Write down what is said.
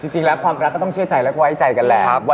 จริงแล้วความรักก็ต้องเชื่อใจแล้วก็ไว้ใจกันแหละ